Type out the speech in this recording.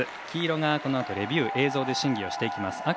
黄色がこのあとレビュー映像で審議していきます。